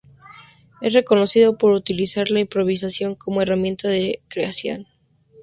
Es reconocido por utilizar la improvisación como herramienta de creación.